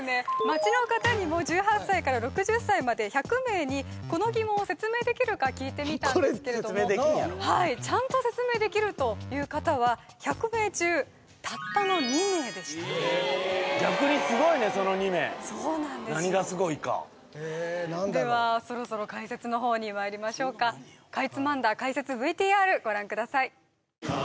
街の方にも１８歳から６０歳まで１００名にこの疑問を説明できるか聞いてみたこれ説明できんやろちゃんと説明できるという方は１００名中たったの２名でしたえっ逆にすごいねその２名そうなんです何がすごいかえっ何だろうではそろそろ解説の方にまいりましょうかご覧ください